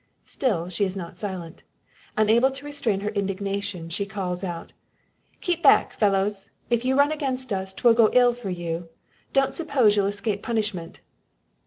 Still she is not silent. Unable to restrain her indignation, she calls out "Keep back, fellows! If you run against us, 'twill go ill for you. Don't suppose you'll escape punishment."